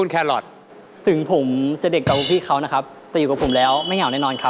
แคลอร์ทเล่นระวังเพื่อนด้วยนะ